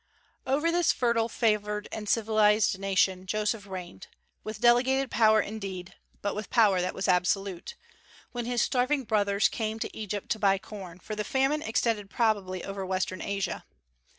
Over this fertile, favored, and civilized nation Joseph reigned, with delegated power indeed, but with power that was absolute, when his starving brothers came to Egypt to buy corn, for the famine extended probably over western Asia.